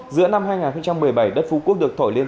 giữa năm hai nghìn một mươi bảy đất phú quốc được thổi lên